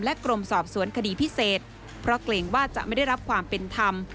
กรมสอบสวนคดีพิเศษเพราะเกรงว่าจะไม่ได้รับความเป็นธรรม